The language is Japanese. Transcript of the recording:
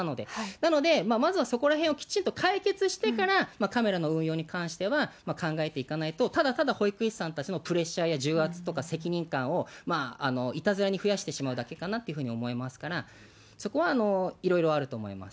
なので、まずはそこらへんをきちんと解決してから、カメラの運用に関しては考えていかないと、ただただ保育士さんたちのプレッシャーや重圧とか責任感を、いたずらに増やしてしまうだけかなと思いますから、そこはいろいろあると思います。